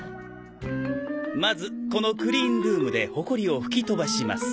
まずこのクリーンルームでほこりを吹き飛ばします。